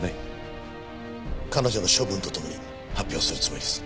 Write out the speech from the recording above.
彼女の処分とともに発表するつもりです。